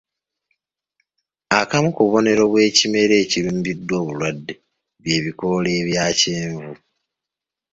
Akamu ku bubonero bw'ekimera ekirumbiddwa obulwadde bye bikoola ebya kyenvu.